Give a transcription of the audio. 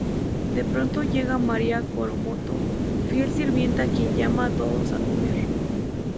De pronto llega María Coromoto, fiel sirvienta quien llama a todos a comer.